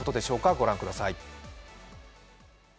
御覧ください。